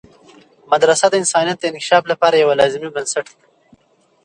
مدرسه د انسانیت د انکشاف لپاره یوه لازمي بنسټ ده.